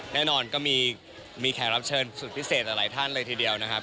แน่นอนก็มีแขกรับเชิญสุดพิเศษหลายท่านเลยทีเดียวนะครับ